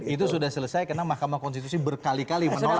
itu sudah selesai karena mahkamah konstitusi berkali kali menolak